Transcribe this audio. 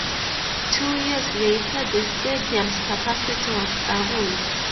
Two years later the stadiums capacity was doubled.